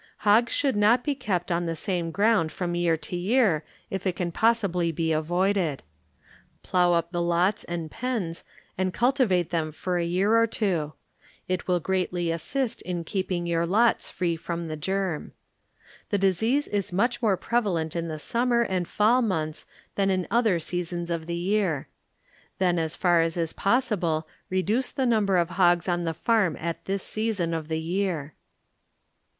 Hogs should not be kept on the same ground from year to year if it can pos sibly be avoided. Plow up the lots and pens and cultivate them for a year or two; it will greatly assist in keeping your lots free from the germ. The dis ease is much more prevalent in the sum mer and fall months than in other sea sons of the year. Then as far as is pos sible reduce the number of hoga on the farm at this season of the year.